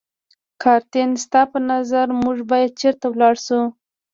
کاترین، ستا په نظر موږ باید چېرته ولاړ شو؟